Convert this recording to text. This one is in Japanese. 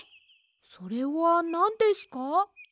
それはなんですか？